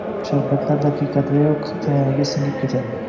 Sharbatlar daqiqadayoq tanaga singib ketadi.